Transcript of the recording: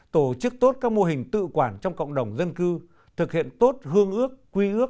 tổ chức tốt các mô hình tự quản trong cộng đồng dân cư thực hiện tốt hương ước quy ước